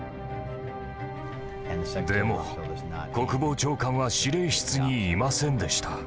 でも国防長官は司令室にいませんでした。